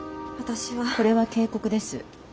これは警告です。